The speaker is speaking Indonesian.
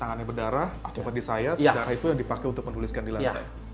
tangannya berdarah aku berdisayat darah itu yang dipakai untuk menuliskan di lantai